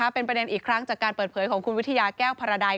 เป็นประเด็นอีกครั้งจากการเปิดเผยของคุณวิทยาแก้วพาราใด